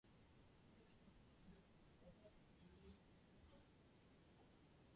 That hasn't happened.